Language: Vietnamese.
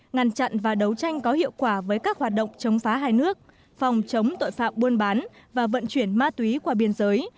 ngăn chặn và đấu tranh có hiệu quả với các hoạt động chống phá hai nước phòng chống tội phạm buôn bán và vận chuyển ma túy qua biên giới